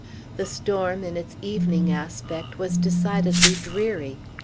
The storm, in its evening aspect, was decidedly dreary.